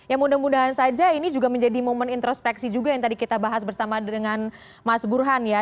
ya mudah mudahan saja ini juga menjadi momen introspeksi juga yang tadi kita bahas bersama dengan mas burhan ya